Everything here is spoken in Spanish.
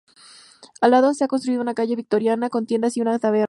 Al lado, se ha construido una calle victoriana con tiendas y una taberna.